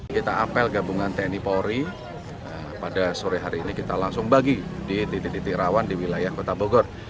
kita apel gabungan tni polri pada sore hari ini kita langsung bagi di titik titik rawan di wilayah kota bogor